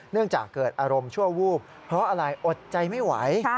จากเกิดอารมณ์ชั่ววูบเพราะอะไรอดใจไม่ไหว